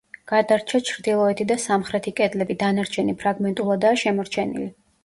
გადარჩა ჩრდილოეთი და სამხრეთი კედლები, დანარჩენი ფრაგმენტულადაა შემორჩენილი.